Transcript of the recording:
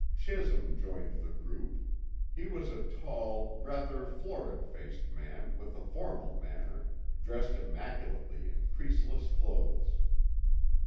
Chisholm joined the group. He was a tall, rather florid faced man with a formal manner, dressed immaculately in creaseless clothes.